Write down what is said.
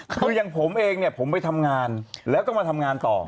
คืออย่างผมเองเนี่ยผมไปทำงานแล้วต้องมาทำงานต่อ